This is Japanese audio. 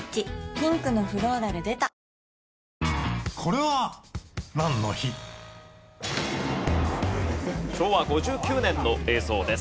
ピンクのフローラル出た昭和５９年の映像です。